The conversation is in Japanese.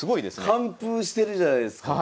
完封してるじゃないですか。